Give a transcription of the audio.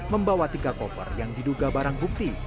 membawa tiga koper yang diduga barang bukti